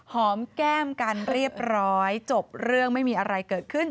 หอมแก้มกันเรียบร้อยจบเรื่องไม่มีอะไรเกิดขึ้น